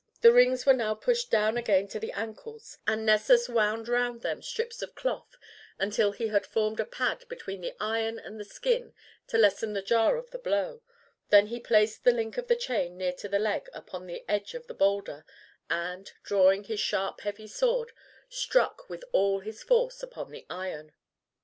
The rings were now pushed down again to the ankles, and Nessus wound round them strips of cloth until he had formed a pad between the iron and the skin to lessen the jar of the blow, then he placed the link of the chain near to the leg upon the edge of the boulder, and, drawing his sharp heavy sword, struck with all his force upon the iron.